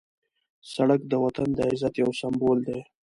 سړک د وطن د عزت یو سمبول دی.